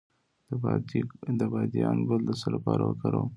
د بادیان ګل د څه لپاره وکاروم؟